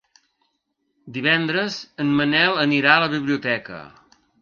Divendres en Manel anirà a la biblioteca.